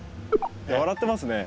笑ってますね。